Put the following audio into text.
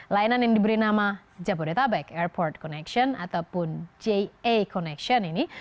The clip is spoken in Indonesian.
layanan yang diberi nama jabodetabek airport connection ataupun ja connection ini